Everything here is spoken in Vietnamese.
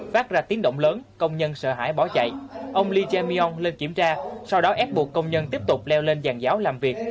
phát ra tiếng động lớn công nhân sợ hãi bỏ chạy ông lee cha minong lên kiểm tra sau đó ép buộc công nhân tiếp tục leo lên giàn giáo làm việc